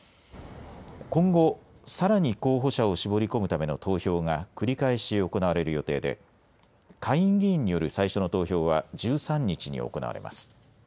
今後、さらに候補者を絞り込むための投票が繰り返し行われる予定で、下院議員による最初の投票は１３日に行われます。